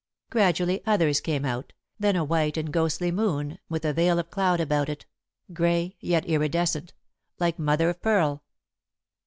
Gradually, others came out, then a white and ghostly moon, with a veil of cloud about it, grey, yet iridescent, like mother of pearl.